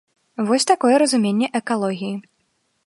Вось такое разуменне экалогіі.